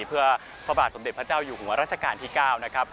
เพื่อพระบาทสมเด็จพระเจ้าอยู่ทวันรัชกาลที่๙